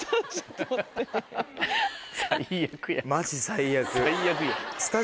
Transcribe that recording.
マジ最悪。